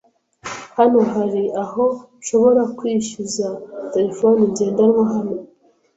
Hano hari aho nshobora kwishyuza terefone ngendanwa hano?